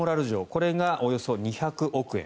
これがおよそ２００億円。